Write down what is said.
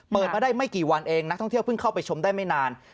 มาได้ไม่กี่วันเองนักท่องเที่ยวเพิ่งเข้าไปชมได้ไม่นาน